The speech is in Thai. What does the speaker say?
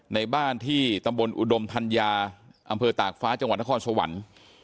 ในบ้านที่ตำบลอุดมธัญญาอำเภอตากฟ้าจังหวัดนครสวรรค์